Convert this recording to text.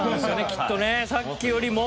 きっとねさっきよりも。